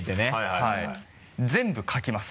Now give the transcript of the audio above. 全部書きます。